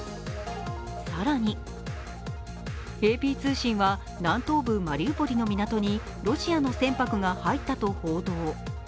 更に、ＡＰ通信は南東部マリウポリの港にロシアの船舶が入ったと報道。